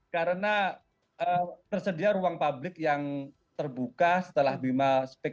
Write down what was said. karena tersedia ruang publik yang terbuka setelah bima speak up ini